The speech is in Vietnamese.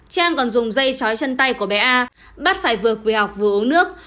trang còn dùng dây chói chân tay của bé a bắt phải vừa quỳ học vừa uống nước